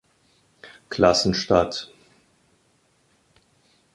Klassen statt.